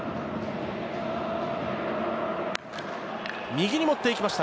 右に持っていきました。